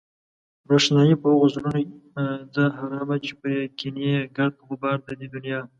روښنايي په هغو زړونو ده حرامه چې پرې کېني گرد غبار د دې دنيا